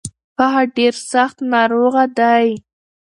هغه ډير سځت ناروغه دی.